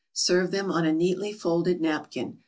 Serve them on a neatly folded napkin.